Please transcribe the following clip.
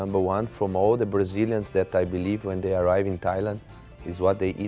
ไม่สงสัยชูสันตินที่แรกก็เหมือนที่เราอยู่นี้